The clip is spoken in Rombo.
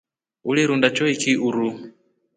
Ulirunda choiki uruu.